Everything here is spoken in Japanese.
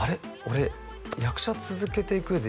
俺役者続けていく上で」